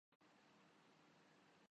چنانچہ ان میں صالحین بھی موجود ہیں